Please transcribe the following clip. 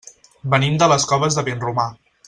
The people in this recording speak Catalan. Venim de les Coves de Vinromà.